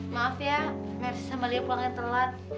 maaf ya mercy sama lia pulangnya telat